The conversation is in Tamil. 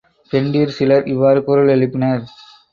பெண்டிர் சிலர் இவ்வாறு குரல் எழுப்பினர்.